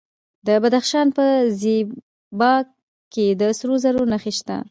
د بدخشان په زیباک کې د سرو زرو نښې شته.